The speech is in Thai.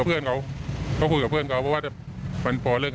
เมื่อเช้าพลตำรวจตรีเจียลศัลแก้วแสงเอก